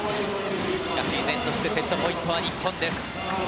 しかし依然としてセットポイントは日本。